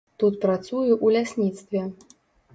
Тут працую ў лясніцтве.